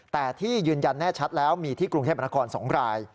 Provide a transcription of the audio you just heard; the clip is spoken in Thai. แต่ที่ยืนยันแน่ชัดแล้วมีที่กรุงเทพมนาคม๒ราย